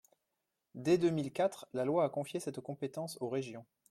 Dès deux mille quatre, la loi a confié cette compétence aux régions.